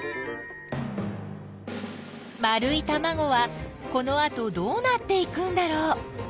丸いたまごはこのあとどうなっていくんだろう？